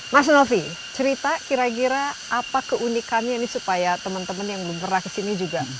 mas novi cerita kira kira apa keunikannya ini supaya teman teman yang belum pernah kesini juga